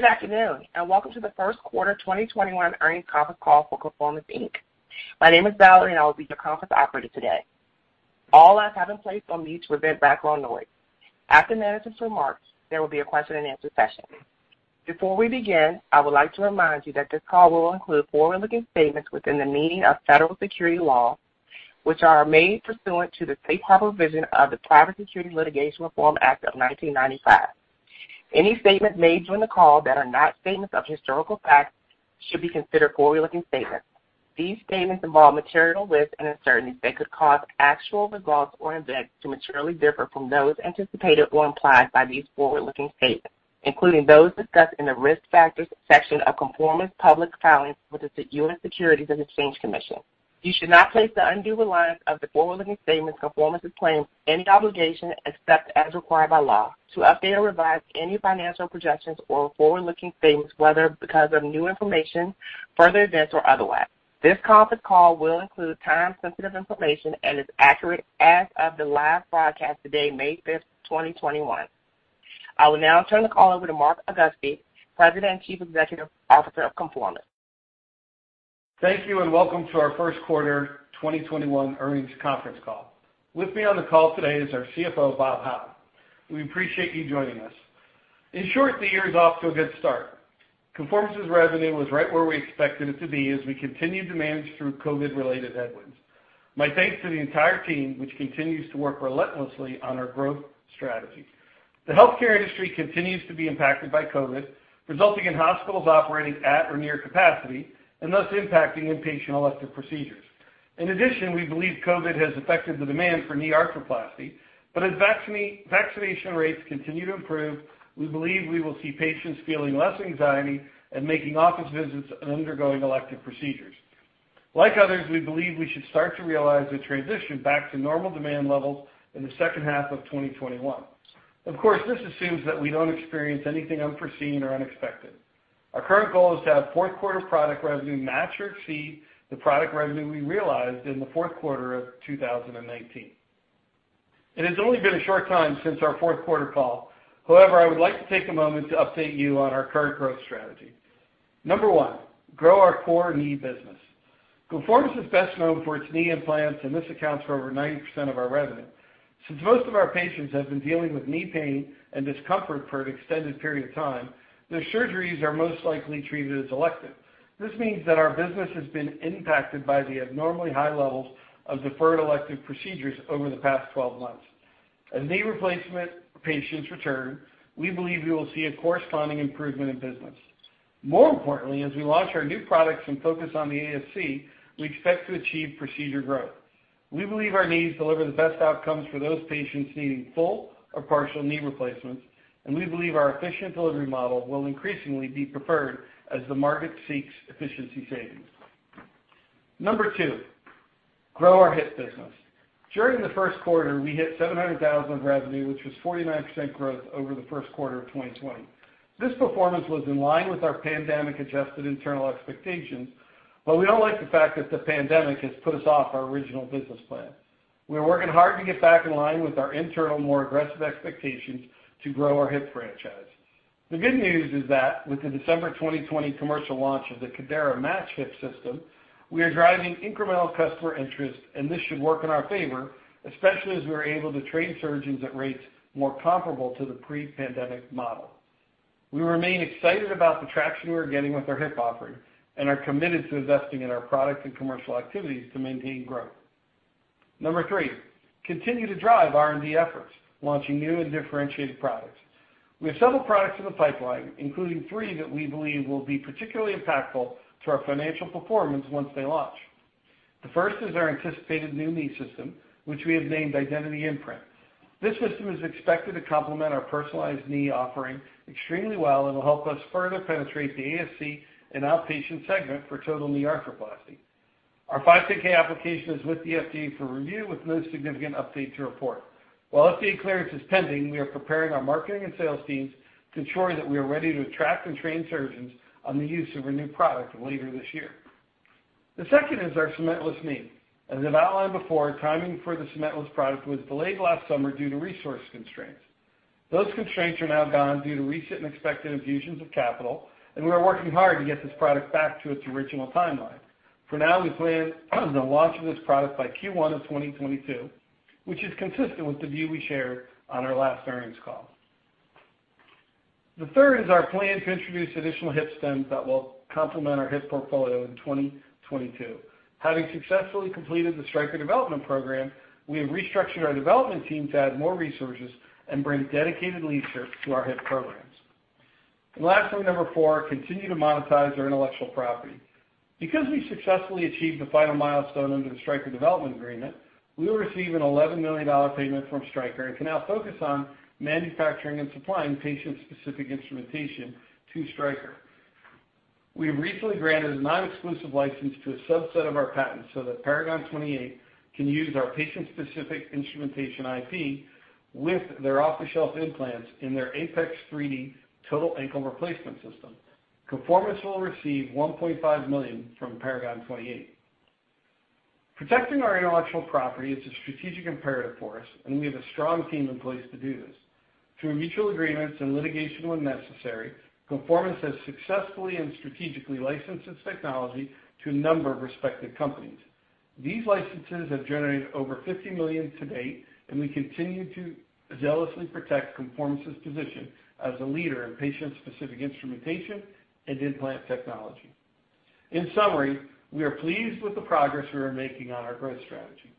Good afternoon. Welcome to the First Quarter 2021 Earnings Conference Call for Conformis, Inc. My name is Valerie. I will be your conference operator today. All lines have been placed on mute to prevent background noise. After management's remarks, there will be a question-and-answer session. Before we begin, I would like to remind you that this call will include forward-looking statements within the meaning of federal securities law, which are made pursuant to the safe harbor provision of the Private Securities Litigation Reform Act of 1995. Any statements made during the call that are not statements of historical fact should be considered forward-looking statements. These statements involve material risks and uncertainties that could cause actual results or events to materially differ from those anticipated or implied by these forward-looking statements, including those discussed in the Risk Factors section of Conformis's public filings with the U.S. Securities and Exchange Commission. You should not place the undue reliance of the forward-looking statements Conformis has made any obligation except as required by law to update or revise any financial projections or forward-looking statements, whether because of new information, further events, or otherwise. This conference call will include time-sensitive information and is accurate as of the last broadcast date, May 5th, 2021. I will now turn the call over to Mark Augusti, President and Chief Executive Officer of Conformis. Thank you. Welcome to our Q1 2021 earnings conference call. With me on the call today is our CFO, Bob Howe. We appreciate you joining us. In short, the year is off to a good start. Conformis's revenue was right where we expected it to be as we continued to manage through COVID-related headwinds. My thanks to the entire team, which continues to work relentlessly on our growth strategy. The healthcare industry continues to be impacted by COVID, resulting in hospitals operating at or near capacity and thus impacting inpatient elective procedures. In addition, we believe COVID has affected the demand for knee arthroplasty, but as vaccination rates continue to improve, we believe we will see patients feeling less anxiety and making office visits and undergoing elective procedures. Like others, we believe we should start to realize a transition back to normal demand levels in the second half of 2021. Of course, this assumes that we don't experience anything unforeseen or unexpected. Our current goal is to have fourth quarter product revenue match or exceed the product revenue we realized in fourth quarter of 2019. It has only been a short time since our fourth quarter call. I would like to take a moment to update you on our current growth strategy. Number one, grow our core knee business. Conformis is best known for its knee implants, and this accounts for over 90% of our revenue. Since most of our patients have been dealing with knee pain and discomfort for an extended period of time, their surgeries are most likely treated as elective. This means that our business has been impacted by the abnormally high levels of deferred elective procedures over the past 12 months. As knee replacement patients return, we believe we will see a corresponding improvement in business. As we launch our new products and focus on the ASC, we expect to achieve procedure growth. We believe our knees deliver the best outcomes for those patients needing full or partial knee replacements. We believe our efficient delivery model will increasingly be preferred as the market seeks efficiency savings. Number two, grow our hip business. During the first quarter, we hit $700,000 revenue, which was 49% growth over the first quarter of 2020. This performance was in line with our pandemic-adjusted internal expectations. We don't like the fact that the pandemic has put us off our original business plan. We are working hard to get back in line with our internal, more aggressive expectations to grow our hip franchise. The good news is that with the December 2020 commercial launch of the Cordera Match Hip System, we are driving incremental customer interest, and this should work in our favor, especially as we are able to train surgeons at rates more comparable to the pre-pandemic model. We remain excited about the traction we are getting with our hip offering and are committed to investing in our products and commercial activities to maintain growth. Number three, continue to drive R&D efforts, launching new and differentiated products. We have several products in the pipeline, including three that we believe will be particularly impactful to our financial performance once they launch. The first is our anticipated new knee system, which we have named Identity Imprint. This system is expected to complement our personalized knee offering extremely well and will help us further penetrate the ASC and outpatient segment for total knee arthroplasty. Our 510(k) application is with the FDA for review with no significant update to report. While FDA clearance is pending, we are preparing our marketing and sales teams to ensure that we are ready to attract and train surgeons on the use of our new product later this year. The second is our cementless knee. As I've outlined before, timing for the cementless product was delayed last summer due to resource constraints. Those constraints are now gone due to recent and expected infusions of capital, and we are working hard to get this product back to its original timeline. For now, we plan on the launch of this product by Q1 of 2022, which is consistent with the view we shared on our last earnings call. The third is our plan to introduce additional hip stems that will complement our hip portfolio in 2022. Having successfully completed the Stryker development program, we have restructured our development team to add more resources and bring dedicated leadership to our hip programs. Lastly, number four, continue to monetize our intellectual property. Because we successfully achieved the final milestone under the Stryker development agreement, we will receive an $11 million payment from Stryker and can now focus on manufacturing and supplying patient-specific instrumentation to Stryker. We have recently granted a non-exclusive license to a subset of our patents so that Paragon 28 can use our patient-specific instrumentation IP with their off-the-shelf implants in their APEX 3D Total Ankle Replacement System. Conformis will receive $1.5 million from Paragon 28. Protecting our intellectual property is a strategic imperative for us, and we have a strong team in place to do this. Through mutual agreements and litigation when necessary, Conformis has successfully and strategically licensed its technology to a number of respected companies. These licenses have generated over $50 million to date, and we continue to jealously protect Conformis's position as a leader in patient-specific instrumentation and implant technology. In summary, we are pleased with the progress we are making on our growth strategy.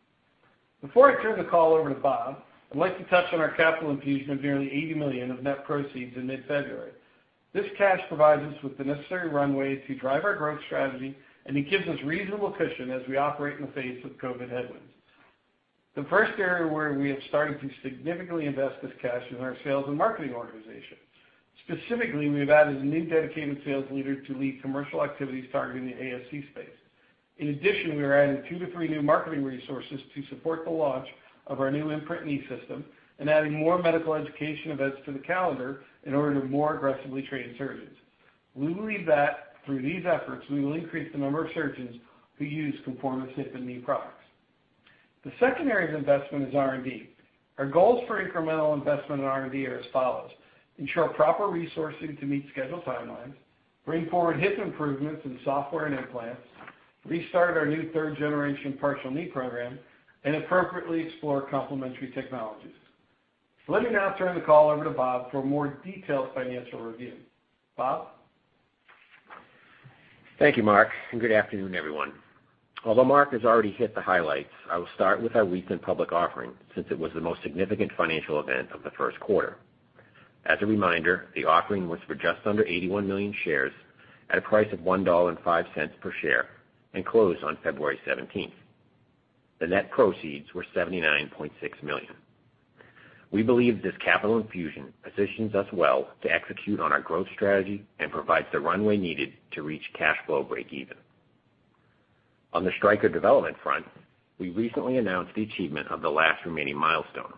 Before I turn the call over to Bob, I'd like to touch on our capital infusion of nearly $80 million of net proceeds in mid-February. This cash provides us with the necessary runway to drive our growth strategy, and it gives us reasonable cushion as we operate in the face of COVID headwinds. The first area where we have started to significantly invest this cash is in our sales and marketing organization. Specifically, we've added a new dedicated sales leader to lead commercial activities targeting the ASC space. In addition, we are adding two to three new marketing resources to support the launch of our new Identity Imprint and adding more medical education events to the calendar in order to more aggressively train surgeons. We believe that through these efforts, we will increase the number of surgeons who use Conformis hip and knee products. The second area of investment is R&D. Our goals for incremental investment in R&D are as follows: ensure proper resourcing to meet scheduled timelines, bring forward hip improvements in software and implants, restart our new third-generation partial knee program, and appropriately explore complementary technologies. Let me now turn the call over to Bob for a more detailed financial review. Bob? Thank you, Mark. Good afternoon, everyone. Although Mark has already hit the highlights, I will start with our recent public offering since it was the most significant financial event of the first quarter. As a reminder, the offering was for just under 81 million shares at a price of $1.05 per share and closed on February 17th. The net proceeds were $79.6 million. We believe this capital infusion positions us well to execute on our growth strategy and provides the runway needed to reach cash flow breakeven. On the Stryker development front, we recently announced the achievement of the last remaining milestone,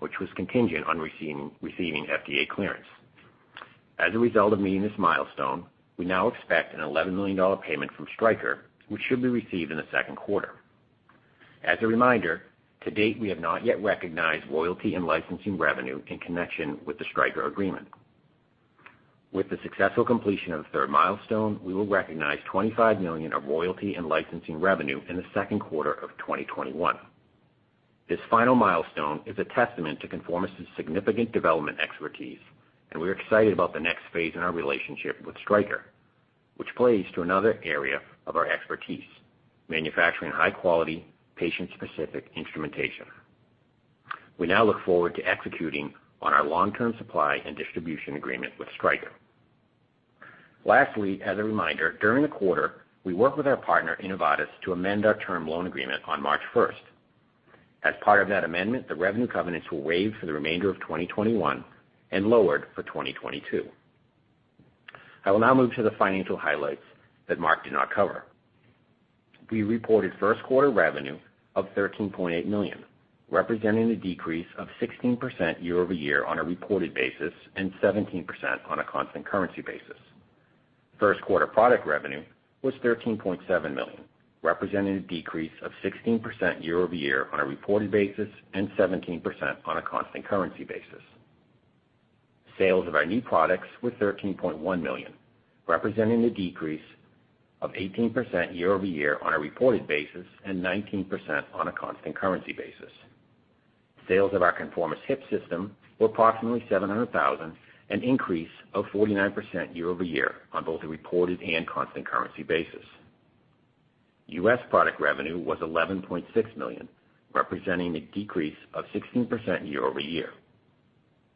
which was contingent on receiving FDA clearance. As a result of meeting this milestone, we now expect an $11 million payment from Stryker, which should be received in the second quarter. As a reminder, to date, we have not yet recognized royalty and licensing revenue in connection with the Stryker agreement. With the successful completion of the third milestone, we will recognize $25 million of royalty and licensing revenue in the second quarter of 2021. This final milestone is a testament to Conformis's significant development expertise, and we're excited about the next phase in our relationship with Stryker, which plays to another area of our expertise, manufacturing high-quality, patient-specific instrumentation. We now look forward to executing on our long-term supply and distribution agreement with Stryker. Lastly, as a reminder, during the quarter, we worked with our partner, Innovatus, to amend our term loan agreement on March 1st. As part of that amendment, the revenue covenants were waived for the remainder of 2021 and lowered for 2022. I will now move to the financial highlights that Mark did not cover. We reported first quarter revenue of $13.8 million, representing a decrease of 16% year-over-year on a reported basis and 17% on a constant currency basis. First quarter product revenue was $13.7 million, representing a decrease of 16% year-over-year on a reported basis and 17% on a constant currency basis. Sales of our knee products were $13.1 million, representing a decrease of 18% year-over-year on a reported basis and 19% on a constant currency basis. Sales of our Conformis Hip System were approximately $700,000, an increase of 49% year-over-year on both a reported and constant currency basis. U.S. product revenue was $11.6 million, representing a decrease of 16% year-over-year.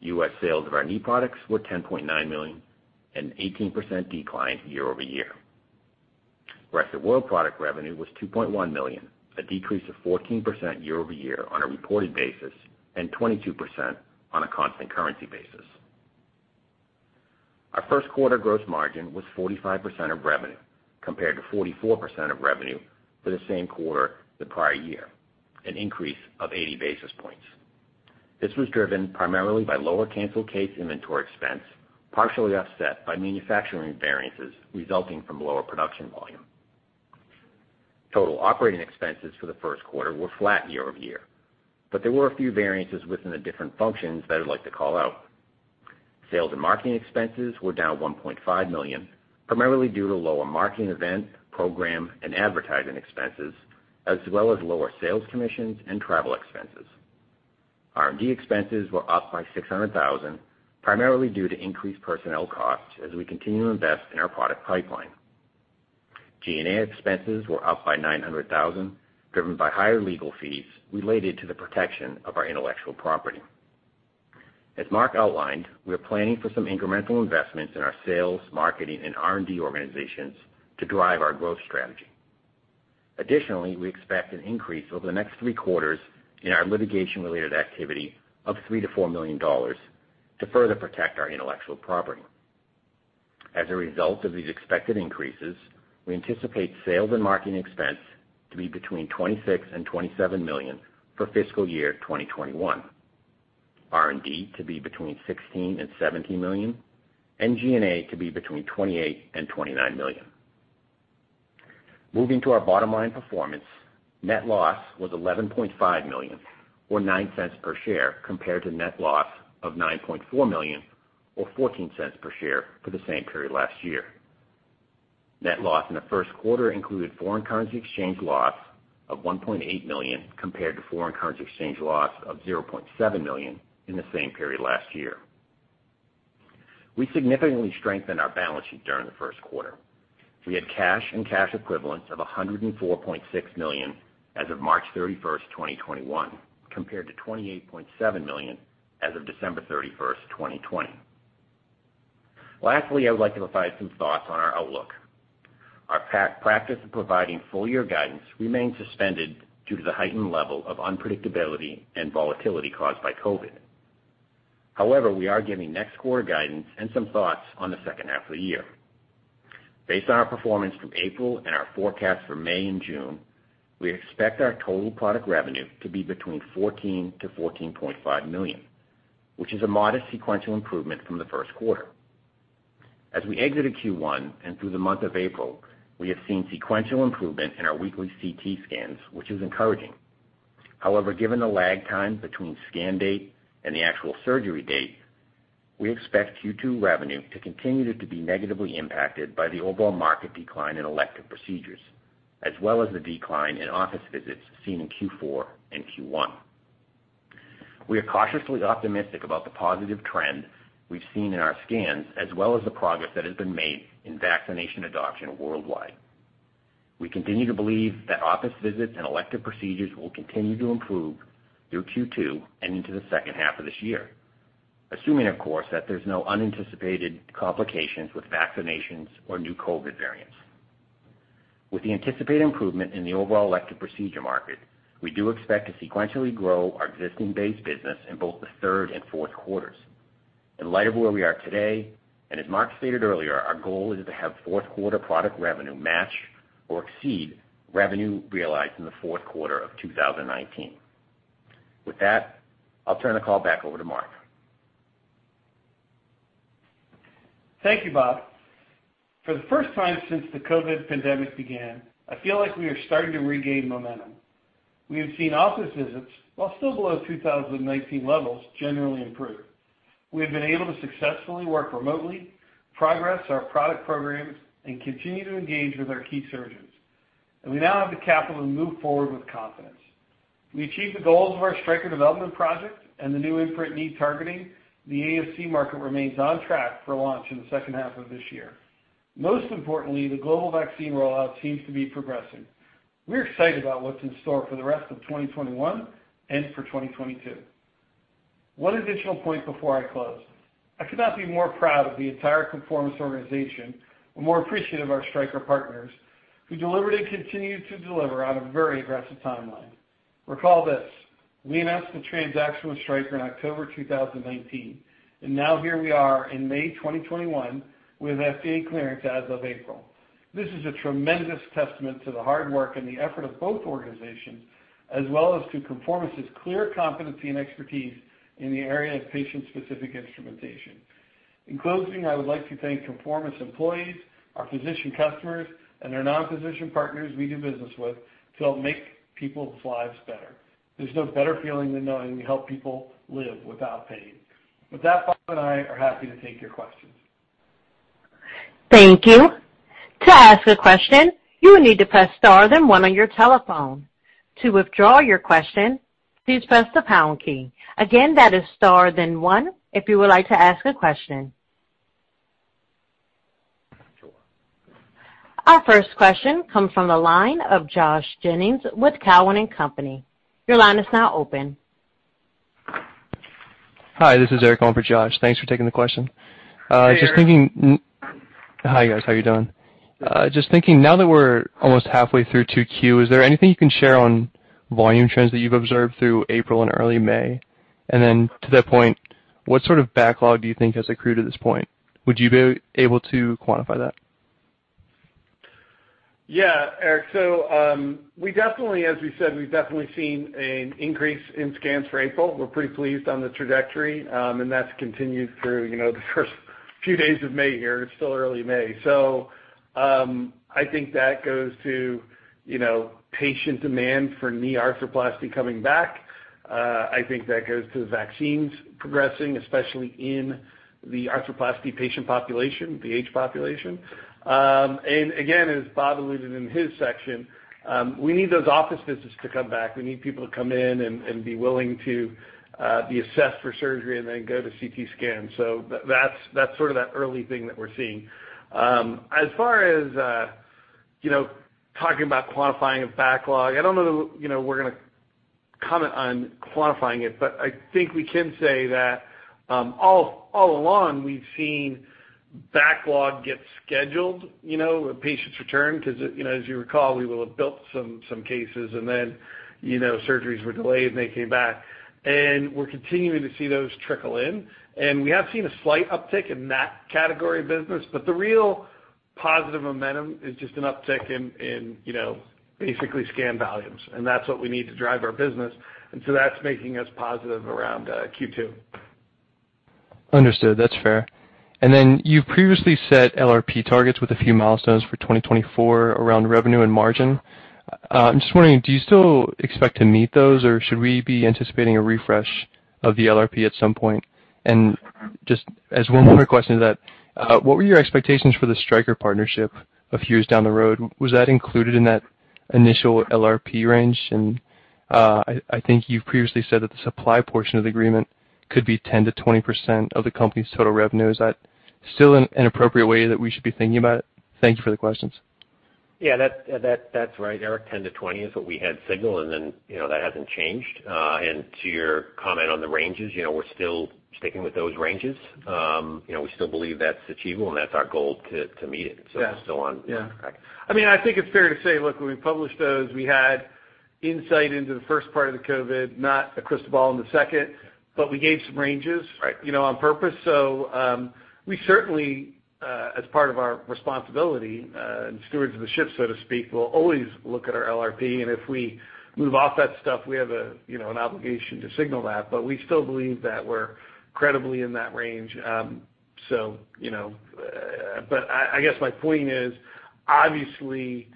U.S. sales of our knee products were $10.9 million, an 18% decline year-over-year. Rest of world product revenue was $2.1 million, a decrease of 14% year-over-year on a reported basis and 22% on a constant currency basis. Our first quarter gross margin was 45% of revenue, compared to 44% of revenue for the same quarter the prior year, an increase of 80 basis points. This was driven primarily by lower cancel case inventory expense, partially offset by manufacturing variances resulting from lower production volume. Total operating expenses for the first quarter were flat year-over-year, but there were a few variances within the different functions that I'd like to call out. Sales and marketing expenses were down $1.5 million, primarily due to lower marketing event, program, and advertising expenses, as well as lower sales commissions and travel expenses. R&D expenses were up by $600,000, primarily due to increased personnel costs as we continue to invest in our product pipeline. G&A expenses were up by $900,000, driven by higher legal fees related to the protection of our intellectual property. As Mark outlined, we are planning for some incremental investments in our sales, marketing, and R&D organizations to drive our growth strategy. Additionally, we expect an increase over the next three quarters in our litigation-related activity of $3 million-$4 million to further protect our intellectual property. As a result of these expected increases, we anticipate sales and marketing expense to be between $26 million and $27 million for fiscal year 2021, R&D to be between $16 million and $17 million, and G&A to be between $28 million and $29 million. Moving to our bottom-line performance, net loss was $11.5 million, or $0.09 per share, compared to net loss of $9.4 million or $0.14 per share for the same period last year. Net loss in the first quarter included foreign currency exchange loss of $1.8 million compared to foreign currency exchange loss of $0.7 million in the same period last year. We significantly strengthened our balance sheet during the first quarter. We had cash and cash equivalents of $104.6 million as of March 31st, 2021, compared to $28.7 million as of December 31st, 2020. Lastly, I would like to provide some thoughts on our outlook. Our practice of providing full-year guidance remains suspended due to the heightened level of unpredictability and volatility caused by COVID. We are giving next quarter guidance and some thoughts on the second half of the year. Based on our performance through April and our forecast for May and June, we expect our total product revenue to be between $14 million-$14.5 million, which is a modest sequential improvement from the first quarter. We exited Q1 and through the month of April, we have seen sequential improvement in our weekly CT scans, which is encouraging. Given the lag time between scan date and the actual surgery date, we expect Q2 revenue to continue to be negatively impacted by the overall market decline in elective procedures, as well as the decline in office visits seen in Q4 and Q1. We are cautiously optimistic about the positive trend we've seen in our scans, as well as the progress that has been made in vaccination adoption worldwide. We continue to believe that office visits and elective procedures will continue to improve through Q2 and into the second half of this year, assuming of course, that there's no unanticipated complications with vaccinations or new COVID variants. With the anticipated improvement in the overall elective procedure market, we do expect to sequentially grow our existing base business in both the third and fourth quarters. In light of where we are today, and as Mark stated earlier, our goal is to have fourth quarter product revenue match or exceed revenue realized in the fourth quarter of 2019. With that, I'll turn the call back over to Mark. Thank you, Bob. For the first time since the COVID pandemic began, I feel like we are starting to regain momentum. We have seen office visits, while still below 2019 levels, generally improve. We have been able to successfully work remotely, progress our product programs, and continue to engage with our key surgeons. We now have the capital to move forward with confidence. We achieved the goals of our Stryker development project and the new Identity Imprint targeting. The ASC market remains on track for launch in the second half of this year. Most importantly, the global vaccine rollout seems to be progressing. We're excited about what's in store for the rest of 2021 and for 2022. One additional point before I close. I could not be more proud of the entire Conformis organization or more appreciative of our Stryker partners who delivered and continue to deliver on a very aggressive timeline. Recall this: we announced the transaction with Stryker in October 2019. Now here we are in May 2021 with FDA clearance as of April. This is a tremendous testament to the hard work and the effort of both organizations, as well as to Conformis's clear competency and expertise in the area of patient-specific instrumentation. In closing, I would like to thank Conformis employees, our physician customers, and their non-physician partners we do business with to help make people's lives better. There's no better feeling than knowing we help people live without pain. With that, Bob and I are happy to take your questions. Thank you. To ask a question, you will need to press star then one on your telephone. To withdraw your question, please press the pound key. Again, that is star then one if you would like to ask a question. Our first question comes from the line of Josh Jennings with Cowen and Company. Your line is now open. Hi, this is Eric, on for Josh. Thanks for taking the question. Hey, Eric. Hi, guys. How you doing? Just thinking now that we're almost halfway through 2Q, is there anything you can share on volume trends that you've observed through April and early May? To that point, what sort of backlog do you think has accrued at this point? Would you be able to quantify that? Eric. We definitely, as we said, we've definitely seen an increase in scans for April. We're pretty pleased on the trajectory, and that's continued through the first few days of May here. It's still early May. I think that goes to patient demand for knee arthroplasty coming back. I think that goes to the vaccines progressing, especially in the arthroplasty patient population, the age population. Again, as Bob alluded in his section, we need those office visits to come back. We need people to come in and be willing to be assessed for surgery and then go to CT scan. That's sort of that early thing that we're seeing. As far as talking about quantifying a backlog, I don't know that we're going to comment on quantifying it, but I think we can say that all along we've seen backlog get scheduled, patients return because as you recall, we will have built some cases and then surgeries were delayed, and they came back. We're continuing to see those trickle in. We have seen a slight uptick in that category of business. The real positive momentum is just an uptick in basically scan volumes, and that's what we need to drive our business. That's making us positive around Q2. Understood. That's fair. You've previously set LRP targets with a few milestones for 2024 around revenue and margin. I'm just wondering, do you still expect to meet those, or should we be anticipating a refresh of the LRP at some point? Just as one more question to that, what were your expectations for the Stryker partnership a few years down the road? Was that included in that initial LRP range? I think you've previously said that the supply portion of the agreement could be 10%-20% of the company's total revenue. Is that still an appropriate way that we should be thinking about it? Thank you for the questions. Yeah, that's right, Eric. 10%-20% is what we had signaled and then that hasn't changed. To your comment on the ranges, we're still sticking with those ranges. We still believe that's achievable, and that's our goal to meet it. Yeah. We're still on track. I think it's fair to say, look, when we published those, we had insight into the first part of the COVID, not a crystal ball in the second, but we gave some ranges. Right. On purpose. We certainly, as part of our responsibility and stewards of the ship, so to speak, will always look at our LRP. If we move off that stuff, we have an obligation to signal that, but we still believe that we're credibly in that range. I guess my point is, obviously,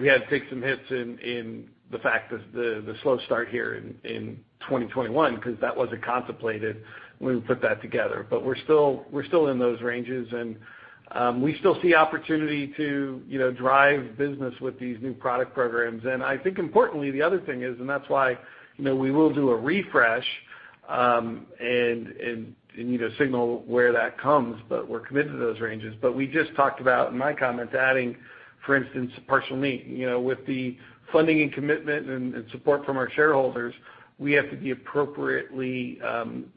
we had to take some hits in the fact that the slow start here in 2021, because that wasn't contemplated when we put that together. We're still in those ranges, and we still see opportunity to drive business with these new product programs. I think importantly, the other thing is, and that's why we will do a refresh, and signal where that comes, but we're committed to those ranges. We just talked about, in my comments, adding, for instance, partial knee. With the funding and commitment and support from our shareholders, we have to appropriately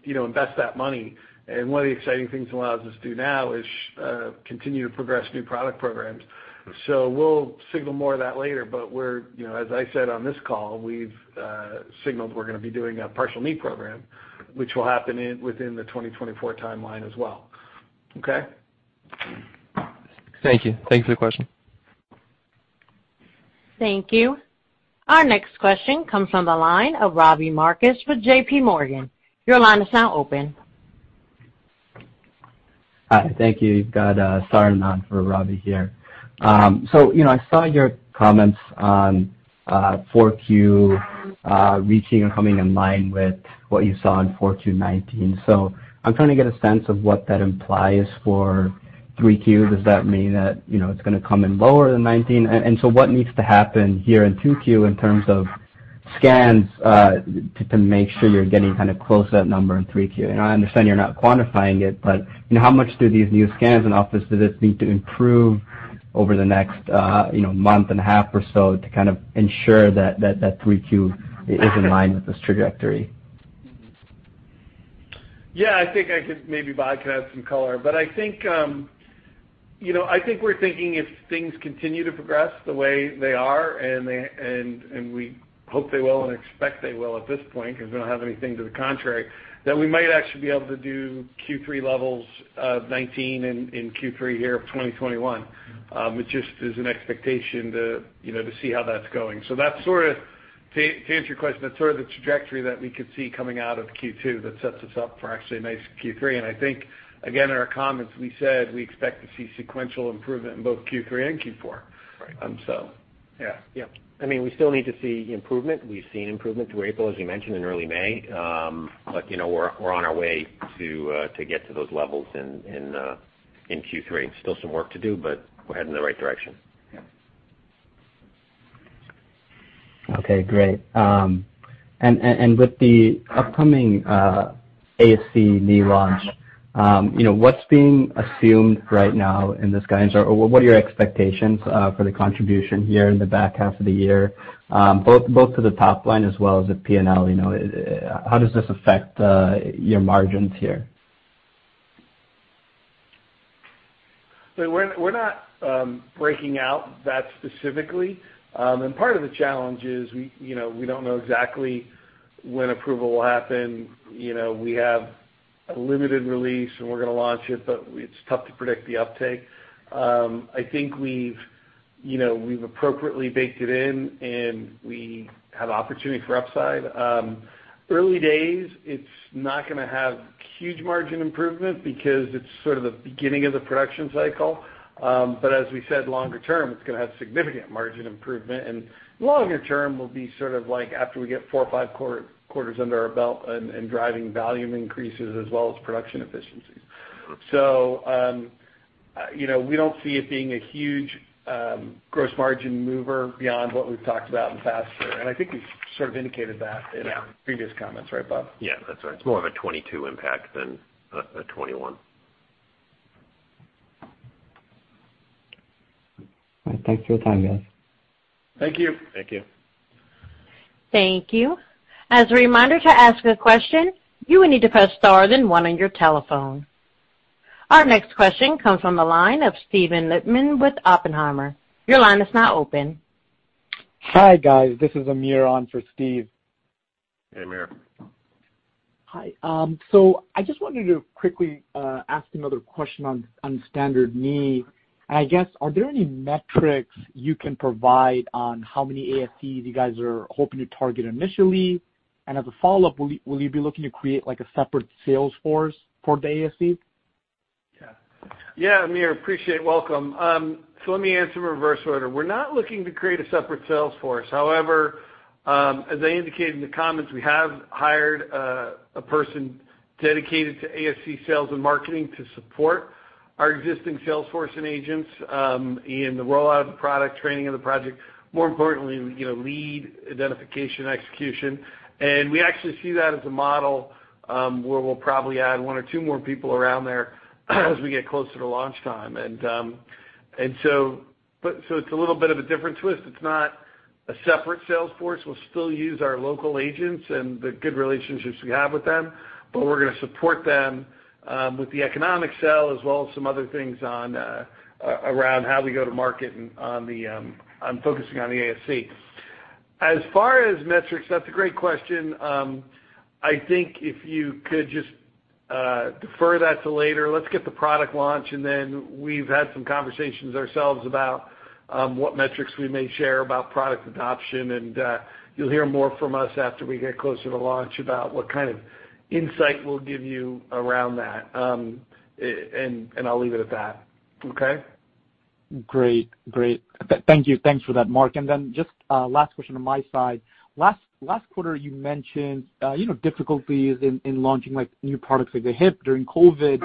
invest that money. One of the exciting things it allows us to do now is continue to progress new product programs. We'll signal more of that later, but as I said on this call, we've signaled we're going to be doing a partial knee program, which will happen within the 2024 timeline as well. Okay? Thank you. Thanks for taking my question. Thank you. Our next question comes from the line of Robbie Marcus with JPMorgan. Your line is now open. Hi, thank you. Got Sarn on for Robbie here. I saw your comments on 4Q reaching or coming in line with what you saw in 4Q 2019. I'm trying to get a sense of what that implies for 3Q. Does that mean that it's going to come in lower than 2019? What needs to happen here in 2Q in terms of scans to make sure you're getting kind of close to that number in 3Q? I understand you're not quantifying it, but how much do these new scans and offices need to improve over the next month and a half or so to kind of ensure that that 3Q is in line with this trajectory? Yeah, I think maybe Bob can add some color. I think we're thinking if things continue to progress the way they are, and we hope they will, and expect they will at this point, because we don't have anything to the contrary, that we might actually be able to do Q3 levels of 2019 in Q3 here of 2021. Which just is an expectation to see how that's going. To answer your question, that's sort of the trajectory that we could see coming out of Q2 that sets us up for actually a nice Q3. I think, again, in our comments, we said we expect to see sequential improvement in both Q3 and Q4. Right. Yeah. Yeah. We still need to see improvement. We've seen improvement through April, as we mentioned, in early May. We're on our way to get to those levels in Q3. Still some work to do, but we're heading in the right direction. Yeah. Okay, great. With the upcoming ASC knee launch, what's being assumed right now in this guidance, or what are your expectations for the contribution here in the back half of the year, both to the top line as well as the P&L? How does this affect your margins here? We're not breaking out that specifically. Part of the challenge is we don't know exactly when approval will happen. We have a limited release, and we're going to launch it, but it's tough to predict the uptake. I think we've appropriately baked it in, and we have opportunity for upside. Early days, it's not going to have huge margin improvement because it's sort of the beginning of the production cycle. As we said, longer term, it's going to have significant margin improvement, and longer term will be sort of after we get four or five quarters under our belt and driving volume increases as well as production efficiencies. We don't see it being a huge gross margin mover beyond what we've talked about in the past year, and I think we've sort of indicated that. Yeah. in our previous comments, right, Bob? Yeah, that's right. It's more of a 2022 impact than a 2021. All right. Thanks for your time, guys. Thank you. Thank you. Thank you. As a reminder to ask a question, you will need to press star then one on your telephone. Our next question comes from the line of Steven Lichtman with Oppenheimer. Your line is now open. Hi, guys. This is Amir on for Steve. Hey, Amir. Hi. I just wanted to quickly ask another question on standard knee. I guess, are there any metrics you can provide on how many ASCs you guys are hoping to target initially? As a follow-up, will you be looking to create a separate sales force for the ASC? Yeah. Amir, appreciate it. Welcome. Let me answer in reverse order. We're not looking to create a separate sales force. However, as I indicated in the comments, we have hired a person dedicated to ASC sales and marketing to support our existing sales force and agents, in the rollout of the product, training of the product. More importantly, lead identification, execution. We actually see that as a model, where we'll probably add one or two more people around there as we get closer to launch time. It's a little bit of a different twist. It's not a separate sales force. We'll still use our local agents and the good relationships we have with them, but we're going to support them with the economic sell as well as some other things around how we go to market on focusing on the ASC. As far as metrics, that's a great question. I think if you could just defer that to later. Let's get the product launch, and then we've had some conversations ourselves about what metrics we may share about product adoption. You'll hear more from us after we get closer to launch about what kind of insight we'll give you around that. I'll leave it at that. Okay? Great. Thank you. Thanks for that, Mark. Just last question on my side. Last quarter, you mentioned difficulties in launching new products like the hip during COVID.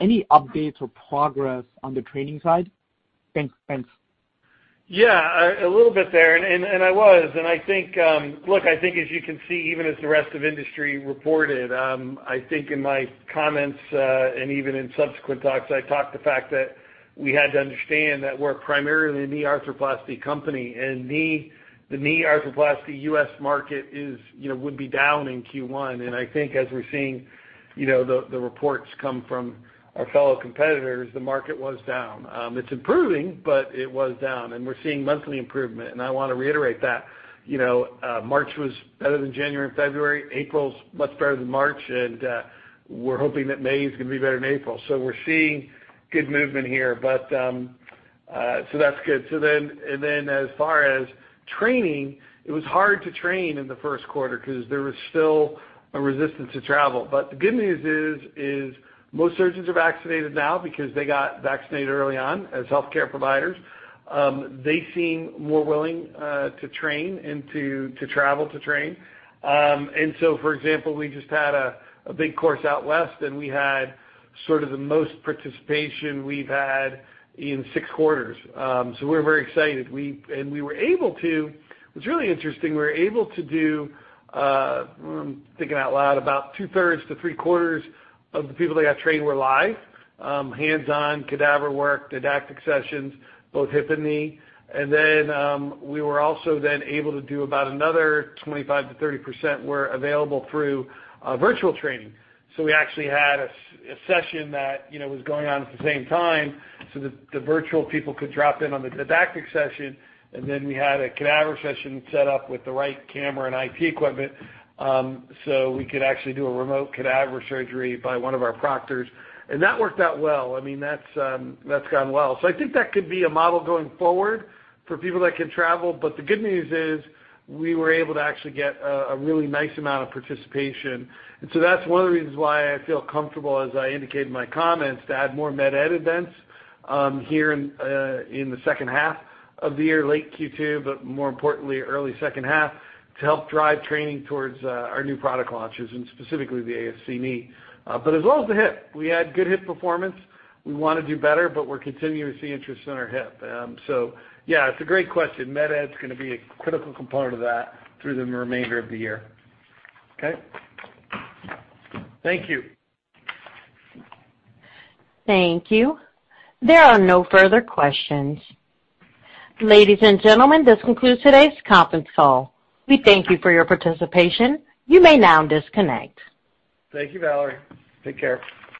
Any updates or progress on the training side? Thanks. Yeah, a little bit there, and I was. Look, I think as you can see, even as the rest of industry reported, I think in my comments, and even in subsequent talks, I talked the fact that we had to understand that we're primarily a knee arthroplasty company, and the knee arthroplasty U.S. market would be down in Q1. I think as we're seeing the reports come from our fellow competitors, the market was down. It's improving, but it was down, and we're seeing monthly improvement. I want to reiterate that March was better than January and February. April's much better than March, and we're hoping that May is going to be better than April. We're seeing good movement here. That's good. As far as training, it was hard to train in the first quarter because there was still a resistance to travel. The good news is most surgeons are vaccinated now because they got vaccinated early on as healthcare providers. They seem more willing to train and to travel to train. For example, we just had a big course out west, and we had sort of the most participation we've had in six quarters. We're very excited. It was really interesting. We were able to do, thinking out loud, about two-thirds to three-quarters of the people that got trained were live. Hands-on cadaver work, didactic sessions, both hip and knee. We were also then able to do about another 25%-30% were available through virtual training. We actually had a session that was going on at the same time so the virtual people could drop in on the didactic session, and then we had a cadaver session set up with the right camera and IT equipment so we could actually do a remote cadaver surgery by one of our proctors. That worked out well. That's gone well. I think that could be a model going forward for people that can travel. The good news is we were able to actually get a really nice amount of participation. That's one of the reasons why I feel comfortable, as I indicated in my comments, to add more med ed events here in the second half of the year, late Q2, but more importantly, early second half, to help drive training towards our new product launches, and specifically the ASC knee. As well as the hip. We had good hip performance. We want to do better, but we're continuing to see interest in our hip. Yeah, it's a great question. Med Ed's going to be a critical component of that through the remainder of the year. Okay. Thank you. Thank you. There are no further questions. Ladies and gentlemen, this concludes today's conference call. We thank you for your participation. You may now disconnect. Thank you, Valerie. Take care.